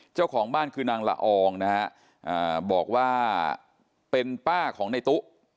เจ้าของบ้านคือนางละอองนะฮะบอกว่าเป็นป้าของในตู้